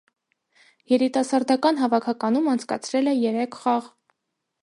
Երիտասարդական հավաքականում անցկացրել է երեք խաղ։